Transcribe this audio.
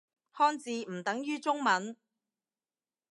漢字唔等於中文